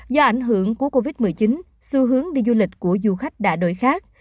do ảnh hưởng của covid một mươi chín xu hướng đi du lịch của du khách đã đổi khác